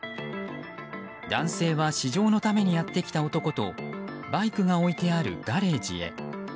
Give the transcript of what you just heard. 男性は試乗のためにやってきた男とバイクが置いてあるガレージへ。